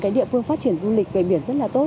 cái địa phương phát triển du lịch về biển rất là tốt